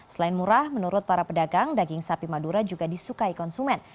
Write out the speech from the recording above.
selain murah menurut para pedagang daging sapi madura juga disukai konsumen